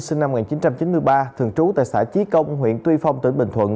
sinh năm một nghìn chín trăm chín mươi ba thường trú tại xã chí công huyện tuy phong tỉnh bình thuận